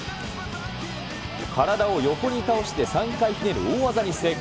体を横に倒して、３回ひねる大技に成功。